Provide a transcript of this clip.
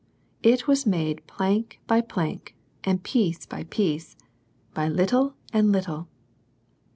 It was made plank by plank, and piece by piece, by little and little.